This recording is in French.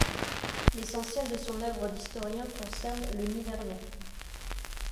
L'essentiel de son œuvre d'historien concerne le Nivernais.